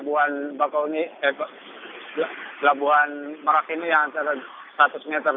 ya saya melakukan ini di tempat depannya kelabuhan merak ini yang antara satu meter